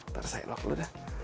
ntar saya lock dulu dah